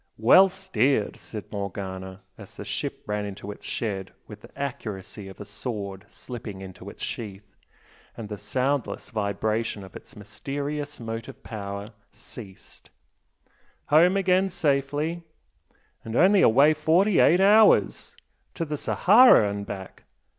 "Well steered!" said Morgana, as the ship ran into its shed with the accuracy of a sword slipping into its sheath, and the soundless vibration of its mysterious motive power ceased "Home again safely! and only away forty eight hours! To the Sahara and back!